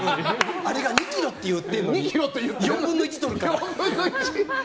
あれが２ｋｇって言ってるのに４分の１とるから。